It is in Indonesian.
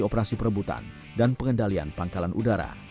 operasi perebutan dan pengendalian pangkalan udara